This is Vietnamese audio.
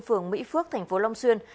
phường mỹ phước thành phố long xuyên